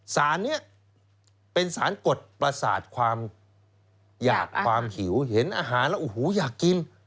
สารนี้เป็นสารกดประสาทความหยาดความหิวเห็นอาหารแล้วโอ้โหอยากกิน